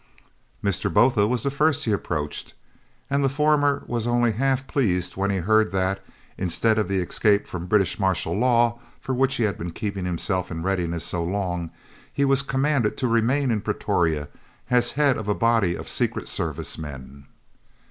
Mr. Botha was the first he approached, and the former was only half pleased when he heard that, instead of the escape from British martial law, for which he had been keeping himself in readiness so long, he was commanded to remain in Pretoria as the head of a body of Secret Service men.